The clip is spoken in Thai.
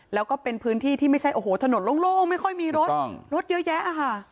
แล้วก็เป็นพื้นที่ที่ไม่ใช่โอ้โหถนนโล่งไม่ค่อยมีรถรถเยอะแยะค่ะ